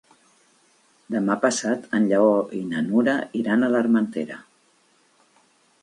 Demà passat en Lleó i na Nura iran a l'Armentera.